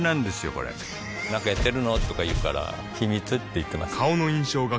これなんかやってるの？とか言うから秘密って言ってます